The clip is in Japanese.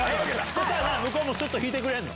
そしたら向こうもすっと引いてくれるの？